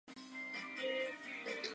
It's Alive!